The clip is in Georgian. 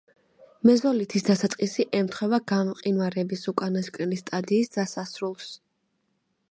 მეზოლითის დასაწყისი ემთხვევა გამყინვარების უკანასკნელი სტადიის დასასრულს.